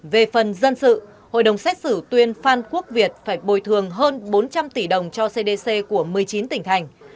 về phần dân sự hội đồng xét xử tuyên phan quốc việt phải bồi thường hơn bốn trăm linh tỷ đồng cho cdc của một mươi chín tỉnh thành